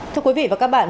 thưa quý vị và các bạn